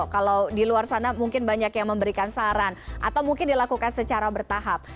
kalau di luar sana mungkin banyak yang memberikan saran atau mungkin dilakukan secara bertahap